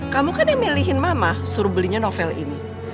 kamu kan yang milihin mama suruh belinya novel ini